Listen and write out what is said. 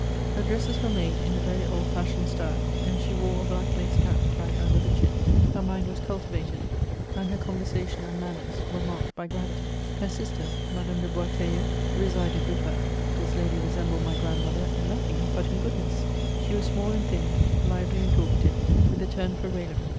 Her dresses were made in a very old fashioned style, and she wore a hlack lace cap tied under the chin. Her mind was cultivated, and her conversation and manners were marked by gravity. Her sister, Madame de Boisteilleul resided with her. This lady resembled my grandmother in nothing but in goodness. She was small and thin, lively and talkative, with a turn for raillery.